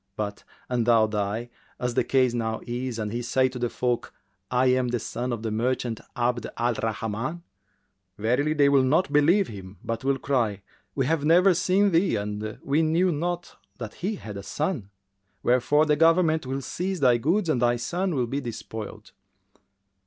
But, an thou die, as the case now is, and he say to the folk, 'I am the son of the merchant Abd al Rahman,' verily they will not believe him, but will cry, 'We have never seen thee and we knew not that he had a son,' wherefore the government will seize thy goods and thy son will be despoiled.